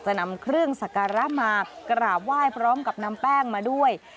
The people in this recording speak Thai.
นำเครื่องสักการะมากราบไหว้พร้อมกับนำแป้งมาด้วย